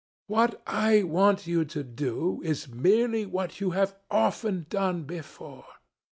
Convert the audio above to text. What I want you to do is merely what you have often done before.